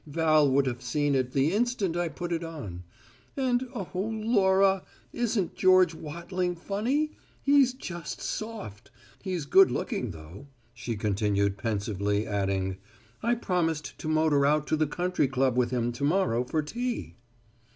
Val would have seen it the instant I put it on. And, oh, Laura! isn't George Wattling funny? He's just soft! He's good looking though," she continued pensively, adding, "I promised to motor out to the Country Club with him to morrow for tea."